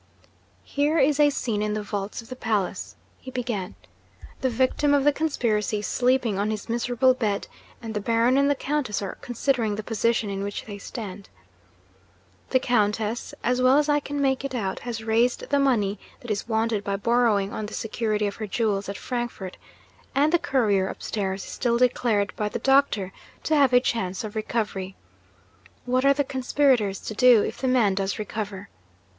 'Here is a scene in the vaults of the palace,' he began. 'The victim of the conspiracy is sleeping on his miserable bed; and the Baron and the Countess are considering the position in which they stand. The Countess (as well as I can make it out) has raised the money that is wanted by borrowing on the security of her jewels at Frankfort; and the Courier upstairs is still declared by the Doctor to have a chance of recovery. What are the conspirators to do, if the man does recover?